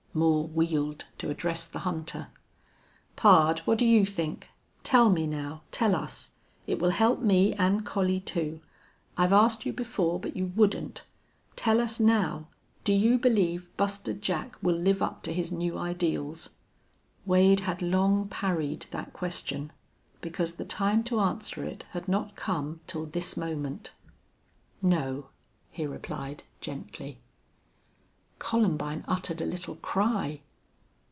Moore wheeled to address the hunter. "Pard, what do you think? Tell me now. Tell us. It will help me, and Collie, too. I've asked you before, but you wouldn't Tell us now, do you believe Buster Jack will live up to his new ideals?" Wade had long parried that question, because the time to answer it had not come till this moment. "No," he replied, gently. Columbine uttered a little cry.